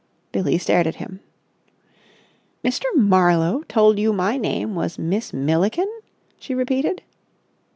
Billie stared at him. "Mr. Marlowe told you my name was Miss Milliken!" she repeated.